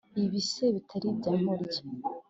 ibise bitari byamurya